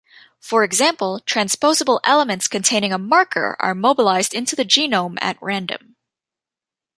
For example, transposable elements containing a marker are mobilized into the genome at random.